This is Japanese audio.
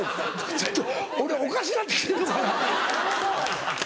ちょっと俺おかしなって来てんのかな。